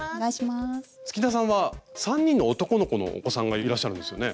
月田さんは３人の男の子のお子さんがいらっしゃるんですよね？